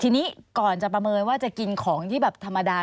ทีนี้ก่อนจะประเมินว่าจะกินของที่แบบธรรมดา